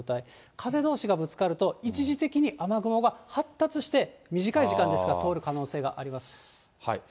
風どうしがぶつかると、一時的に雨雲が発達して、短い時間ですが通る可能性があります。